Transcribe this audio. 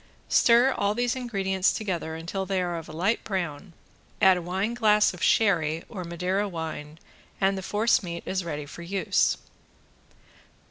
Stir all these ingredients together until they are of a light brown, add a wine glass of sherry or Madeira wine, and the force meat is ready for use.